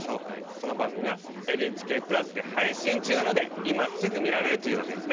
その番組は「ＮＨＫプラス」で配信中なので今すぐ見られるというわけですね。